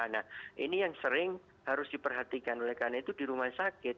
nah ini yang sering harus diperhatikan oleh karena itu di rumah sakit